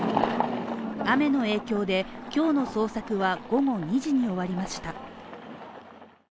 雨の影響で、今日の捜索は午後２時に終わりました。